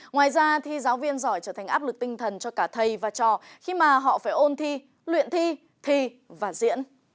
ngoài ra thi giáo viên giỏi trở thành áp lực tinh thần cho cả thầy và trò khi mà họ phải ôn thi luyện thi thi và diễn